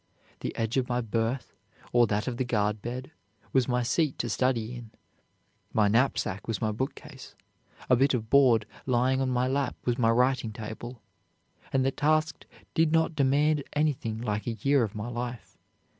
The edge of my berth, or that of the guard bed, was my seat to study in; my knapsack was my bookcase; a bit of board lying on my lap was my writing table, and the task did not demand anything like a year of my life.